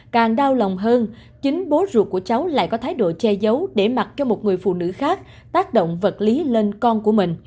càng đau lòng hơn chính bố ruột của cháu lại có thái độ che giấu để mặc cho một người phụ nữ khác tác động vật lý lên con của mình